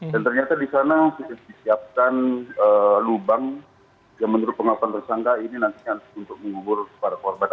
dan ternyata di sana sudah disiapkan lubang yang menurut pengawasan tersangka ini nantinya untuk mengubur kepada korban